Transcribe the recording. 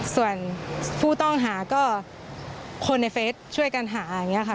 ส่วนผู้ต้องหาก็คนในเฟสช่วยกันหาอย่างนี้ค่ะ